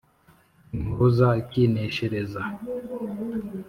Impuruza ikineshereza